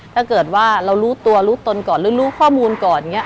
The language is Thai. ถ้าเกิดว่าเรารู้ตัวรู้ตนก่อนหรือรู้ข้อมูลก่อนอย่างนี้